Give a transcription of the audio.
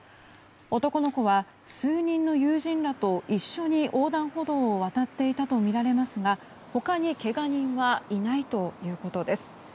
男の子は数人の友人らと一緒に横断歩道を渡っていたとみられますが、他にけが人はいないということです。